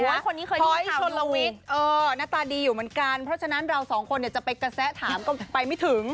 น้อยชนลวิทย์หน้าตาดีอยู่เหมือนกันเพราะฉะนั้นเราสองคนเนี่ยจะไปกระแสถามก็ไปไม่ถึง